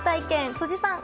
辻さん。